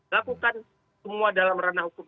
lakukan semua dalam ranah hukum